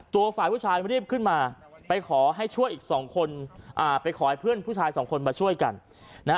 ฝ่ายผู้ชายรีบขึ้นมาไปขอให้ช่วยอีกสองคนอ่าไปขอให้เพื่อนผู้ชายสองคนมาช่วยกันนะฮะ